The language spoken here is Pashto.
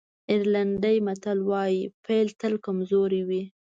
آیرلېنډی متل وایي پيل تل کمزوری وي.